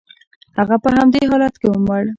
هغه په همدې حالت کې ومړ.